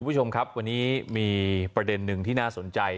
คุณผู้ชมครับวันนี้มีประเด็นหนึ่งที่น่าสนใจ